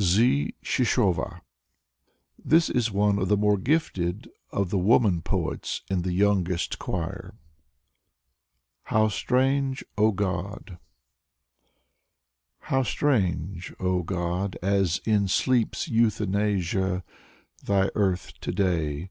Z. Shishova This is one of the more gifted of the woman poets in the youngest choir. 169 170 Z. Shishova u HOW STRANGE, OH, GOD " How strange, oh, God, as in sleep's euthanasia, Thy earth today.